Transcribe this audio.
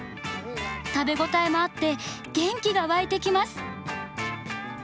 食べ応えもあって元気が湧いてきます。